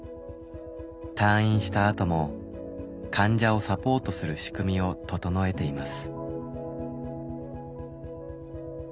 退院したあとも患者をサポートする仕組みを整えています。